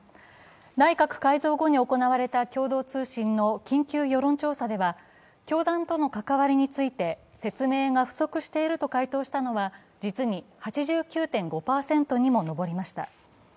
内閣改造後に行われた共同通信の緊急世論調査では教団との関わりについて説明が不足していると回答したのは実に８９．５％にも上りました。